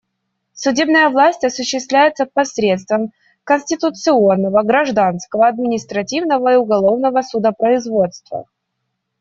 Судебная власть осуществляется посредством конституционного, гражданского, административного и уголовного судопроизводства.